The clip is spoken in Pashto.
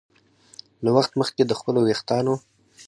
له وخت مخکې د خپلو ویښتانو